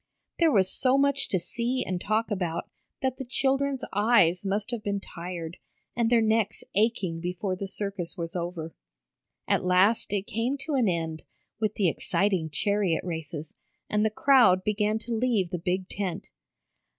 There was so much to see and talk about that the children's eyes must have been tired, and their necks aching before the circus was over. At last it came to an end with the exciting chariot races, and the crowd began to leave the big tent.